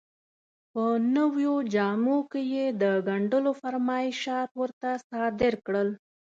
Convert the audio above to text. په نویو جامو کې یې د ګنډلو فرمایشات ورته صادر کړل.